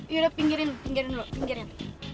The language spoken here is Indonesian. yaudah pinggirin pinggirin dulu pinggirnya